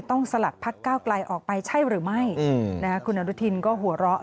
สลัดพักก้าวไกลออกไปใช่หรือไม่คุณอนุทินก็หัวเราะ